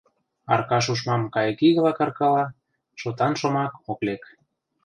— Аркаш умшам кайыкигыла каркала, шотан шомак ок лек.